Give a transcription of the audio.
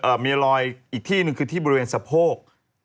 มีรอยอีกที่หนึ่งคือที่บริเวณสะโพก